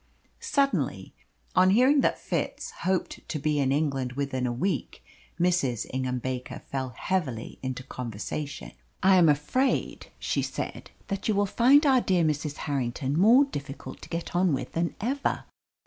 Suddenly, on hearing that Fitz hoped to be in England within a week, Mrs. Ingham Baker fell heavily into conversation. "I am afraid," she said, "that you will find our dear Mrs. Harrington more difficult to get on with than ever.